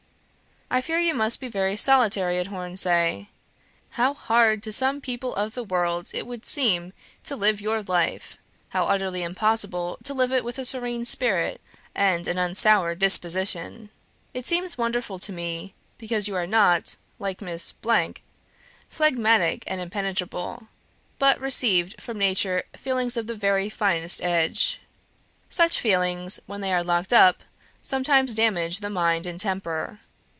I fear you must be very solitary at Hornsea. How hard to some people of the world it would seem to live your life! how utterly impossible to live it with a serene spirit and an unsoured disposition! It seems wonderful to me, because you are not, like Mrs. , phlegmatic and impenetrable, but received from nature feelings of the very finest edge. Such feelings, when they are locked up, sometimes damage the mind and temper.